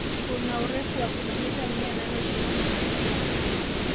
Kuna urefu wa kilomita mia nane ishirini na tisa